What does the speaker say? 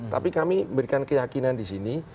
tapi kami berikan keyakinan di sini